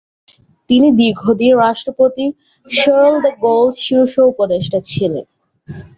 তিনি দীর্ঘদিন রাষ্ট্রপতির শার্ল দ্য গোল শীর্ষ উপদেষ্টা ছিলেন।